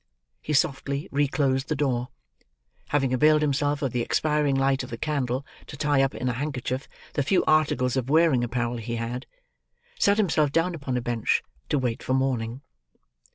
He softly reclosed the door. Having availed himself of the expiring light of the candle to tie up in a handkerchief the few articles of wearing apparel he had, sat himself down upon a bench, to wait for morning.